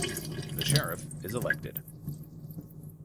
The sheriff is elected.